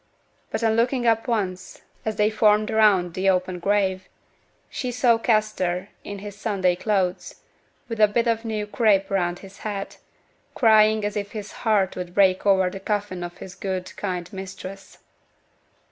But on looking up once, as they formed round the open grave, she saw Kester, in his Sunday clothes, with a bit of new crape round his hat, crying as if his heart would break over the coffin of his good, kind mistress.